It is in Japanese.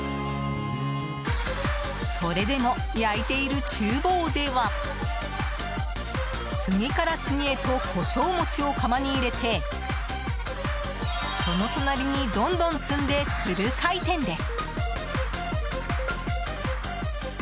それでも、焼いている厨房では次から次へと胡椒餅を釜に入れてその隣にどんどん積んでフル回転です。